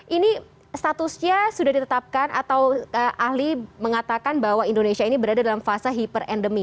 ini statusnya sudah ditetapkan atau ahli mengatakan bahwa indonesia ini berada dalam fase hiperendemi